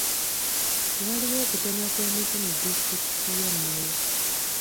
Waliwo okutema kw'emiti mu disitulikiti y'e Moyo.